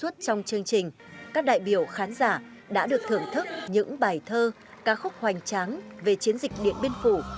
trong chương trình các đại biểu khán giả đã được thưởng thức những bài thơ ca khúc hoành tráng về chiến dịch điện biên phủ